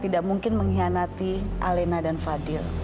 tidak mungkin mengkhianati alena dan fadil